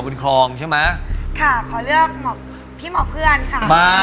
ผมจะขอเลือกพี่หมอเพื่อนค่ะ